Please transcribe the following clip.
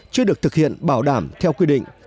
chưa được thực hiện bảo đảm theo quy định